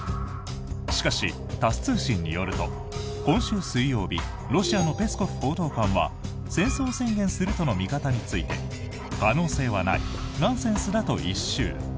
しかし、タス通信によると今週水曜日ロシアのペスコフ報道官は戦争宣言するとの見方について可能性はないナンセンスだと一蹴。